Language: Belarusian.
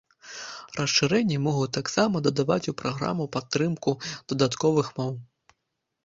Расшырэнні могуць таксама дадаваць у праграму падтрымку дадатковых моў.